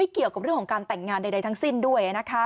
เกี่ยวกับเรื่องของการแต่งงานใดทั้งสิ้นด้วย